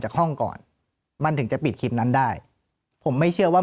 ห้องก่อนมันถึงจะปิดคลิปนั้นได้ผมไม่เชื่อว่า